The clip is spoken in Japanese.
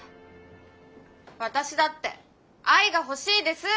私だって愛が欲しいです！